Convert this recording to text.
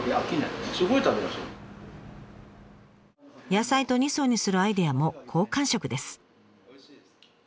野菜と二層にするアイデアも好感触です。